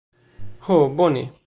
Ho bone.